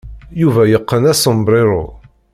Yuba yeqqen asombrero.